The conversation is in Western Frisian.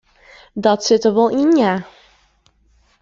Dat sit der wol yn ja.